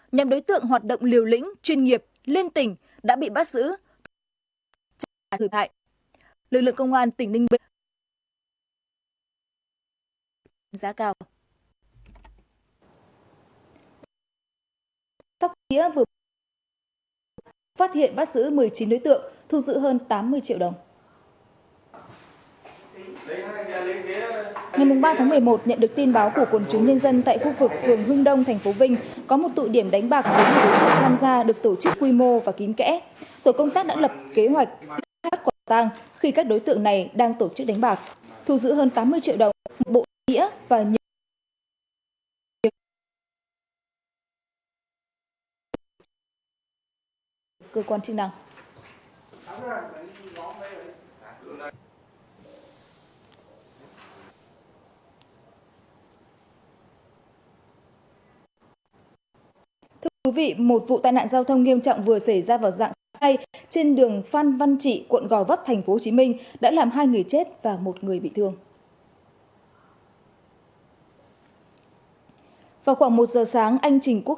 nhằm đối tượng hoạt động liều lĩnh chuyên nghiệp liên tỉnh đã bị bắt giữ trả lời hại